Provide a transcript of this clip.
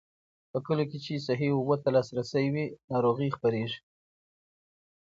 په کليو کې چې صحي اوبو ته لاسرسی وي، ناروغۍ نه خپرېږي.